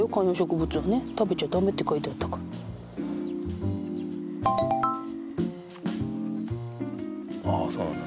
食べちゃダメって書いてあったからああそうなんだ